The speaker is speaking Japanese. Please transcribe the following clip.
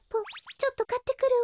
ちょっとかってくるわ。